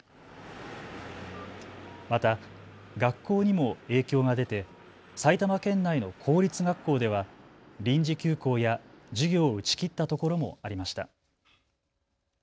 また、学校にも影響が出て埼玉県内の公立学校では臨時休校や授業を打ち切ったところもありました。